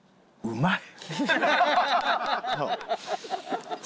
うまい！